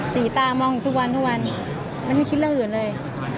สีตามองอยู่ทุกวันทุกวันมันไม่คิดเรื่องอื่นเลย